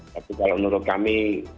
tapi kalau menurut kami